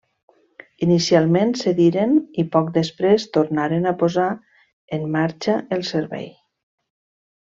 Inicialment cediren i poc després tornaren a posar en marxa el servei.